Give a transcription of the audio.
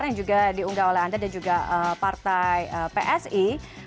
yang juga diunggah oleh anda dan juga partai psi